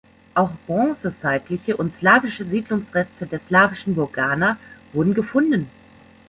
Auch bronzezeitliche und slawische Siedlungsreste der slawischen Burg Gana wurden gefunden.